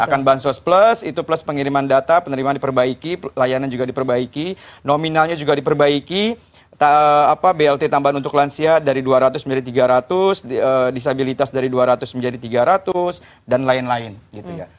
akan bansos plus itu plus pengiriman data penerimaan diperbaiki layanan juga diperbaiki nominalnya juga diperbaiki blt tambahan untuk lansia dari dua ratus menjadi tiga ratus disabilitas dari dua ratus menjadi tiga ratus dan lain lain gitu ya